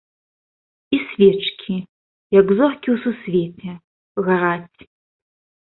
І свечкі, як зоркі ў сусвеце, гараць.